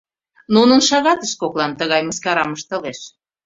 Нунын шагатышт коклан тыгай мыскарам ыштылеш.